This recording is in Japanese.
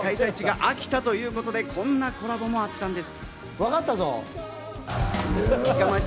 さらに今回の開催地が秋田ということで、こんなコラボもあったんです。